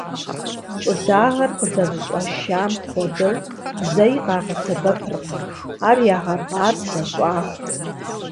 Щӏыдагъэр къызэрыщӏашам хуэдэу зэи къагъэсэбэпыркъым, ар ягъэкъабзэ, щӏаху.